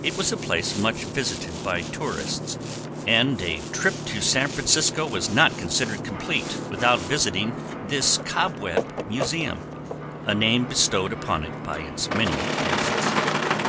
It was a place much visited by tourists, and a trip to San Francisco was not considered complete without visiting this "Cobweb Museum," a name bestowed upon it by its many guests.